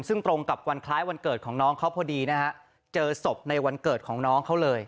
ซึ่งตรงกับวันคล้ายวันเกิดของน้องเขาพอดีนะฮะเจอศพในวันเกิดของน้องเขาเลย